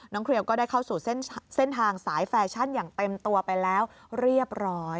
เครียวก็ได้เข้าสู่เส้นทางสายแฟชั่นอย่างเต็มตัวไปแล้วเรียบร้อย